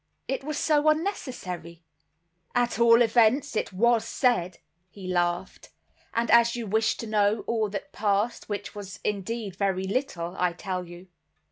"It was so unnecessary." "At all events it was said," he laughed, "and as you wish to know all that passed, which was indeed very little, I tell you.